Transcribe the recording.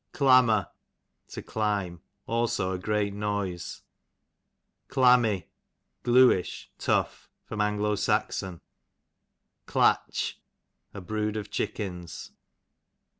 Clammer, to climb ; also a great noise. Clammy, gluish, tough. A. S. Clatch, a brood of chickens.